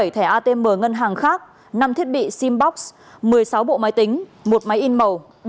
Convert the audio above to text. một trăm bảy mươi bảy thẻ atm ngân hàng khác năm thiết bị sim box một mươi sáu bộ máy tính một máy in màu